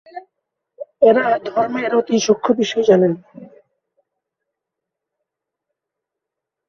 বামহাতে ব্যাটিংয়ের পাশাপাশি ডানহাতে মিডিয়াম বোলিংয়ে পারদর্শী ছিলেন আলী শাহ।